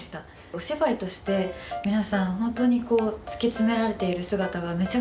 お芝居として皆さん本当にこう突き詰められている姿がめちゃくちゃかっこよかったです。